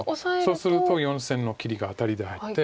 そうすると４線の切りがアタリで入って。